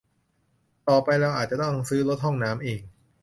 ต่อไปเราอาจจะต้องซื้อรถห้องน้ำเอง